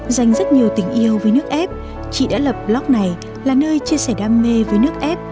dành rất nhiều tình yêu với nước ép chị đã lập block này là nơi chia sẻ đam mê với nước ép